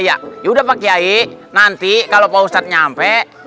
ya yaudah pak kiai nanti kalau pak ustadz nyampe